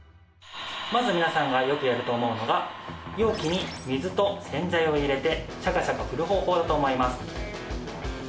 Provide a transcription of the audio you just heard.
まず皆さんがよくやると思うのが容器に水と洗剤を入れてシャカシャカ振る方法だと思います。